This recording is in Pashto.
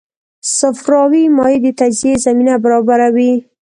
صفراوي مایع د تجزیې زمینه برابروي.